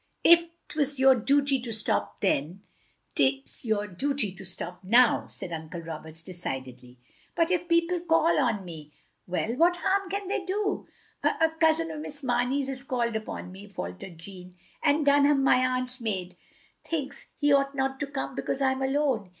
" If 't was your dooty to stop then, 't is your OF GROSVENOR SQUARE 157 dooty to stop now, " said Uncle Roberts, decidedly. " But if people call on me —" "Well, what harm can they do?" "A — Si cousin of Miss Mamey's has called upon me," faltered Jeanne, "and Dunham, my aunt's maid, thinks he ought not to come because I 'm alone.